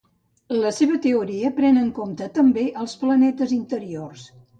La seva teoria pren en compte també els planetes interiors: